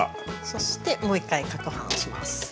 そしてもう一回かくはんをします。